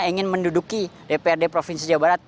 ingin menduduki dprd provinsi jawa barat